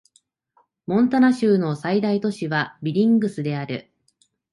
モンタナ州の最大都市はビリングスである